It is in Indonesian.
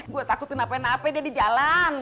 gua takutin apa apa dia di jalan